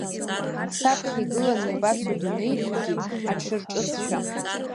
Саԥхьа игыланы иабацо адунеи дугьы аҽырҿыцшәа!